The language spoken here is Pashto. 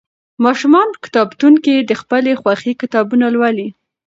ماشومان په کتابتونونو کې د خپلې خوښې کتابونه لولي.